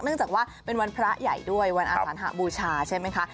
จากว่าเป็นวันพระใหญ่ด้วยวันอาสานหบูชาใช่ไหมคะ